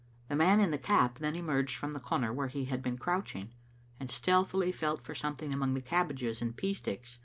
The man in the cap then emerged from the comer where he bad been crouching, and stealthily felt for something among the cabbages and pea sticks.